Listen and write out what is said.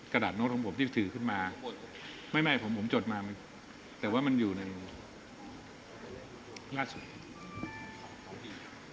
ดาดโน้ตของผมที่ถือขึ้นมาไม่ผมผมจดมาแต่ว่ามันอยู่ในล่าสุดของพี่